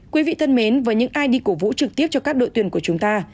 quý vị thân mến với những ai đi cổ vũ trực tiếp cho các đội tuyển của chúng ta